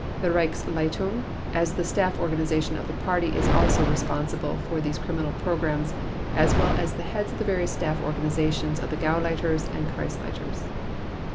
The Reichsleitung as the staff organization of the Party is also responsible for these criminal programs as well as the heads of the various staff organizations of the Gauleiters and Kreisleiters.